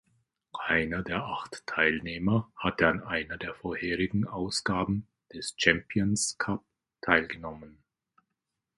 Keiner der acht Teilnehmer hatte an einer der vorherigen Ausgaben des Champions Cup teilgenommen.